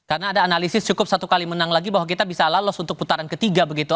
karena ada analisis cukup satu kali menang lagi bahwa kita bisa lolos untuk putaran ke tiga begitu